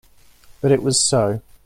But it was so.